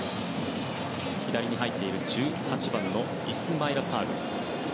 左に入っている１８番、イスマイラ・サール。